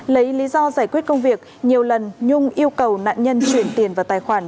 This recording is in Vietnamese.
lấy lý do giải quyết công việc nhiều lần nhung yêu cầu nạn nhân chuyển tiền vào tài khoản